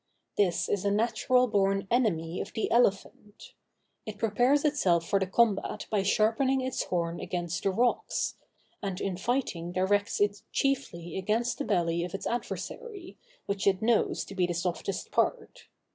This is a natural born enemy of the elephant. It prepares itself for the combat by sharpening its horn against the rocks; and in fighting directs it chiefly against the belly of its adversary, which it knows to be the softest part.